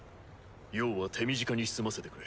用は手短に済ませてくれ。